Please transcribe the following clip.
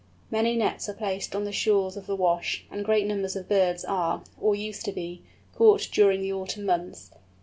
Many nets are placed on the shores of the Wash, and great numbers of birds are, or used to be, caught during the autumn months.